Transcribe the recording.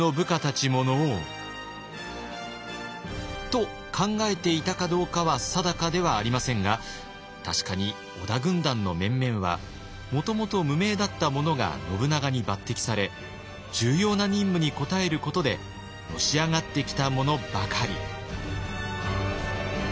と考えていたかどうかは定かではありませんが確かに織田軍団の面々はもともと無名だった者が信長に抜擢され重要な任務に応えることでのし上がってきた者ばかり。